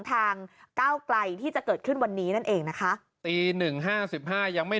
ทางเก้าไกลที่จะเกิดขึ้นวันนี้นั่นเองนะคะตี๑๕๕ยังไม่